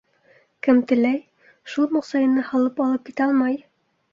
Кем теләй - шул моҡсайына һалып алып китә алмай.